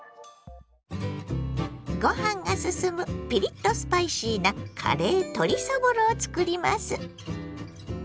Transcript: ご飯がすすむピリッとスパイシーなカレー鶏そぼろをつくります。